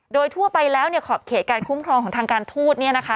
โดยทั่วไปแล้วขอบเขตการคุ้มครองของทางการทูต